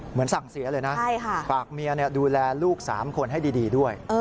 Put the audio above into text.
เหมือนสั่งเสียเลยนะฝากเมียดูแลลูก๓คนให้ดีด้วย